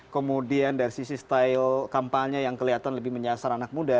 kemudian dari sisi style kampanye yang kelihatan lebih menyasar anak muda